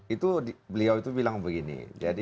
itu beliau itu bilang begini